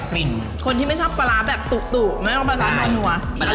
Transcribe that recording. คลิ่นคนที่ไม่ชอบปลาร้าแบบตู่ไม่ต้องปลาด้วยก็ดังนั้น